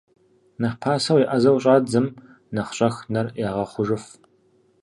Нэхъ пасэу еӀэзэу щӀадзэм, нэхъ щӀэх нэр ягъэхъужыф.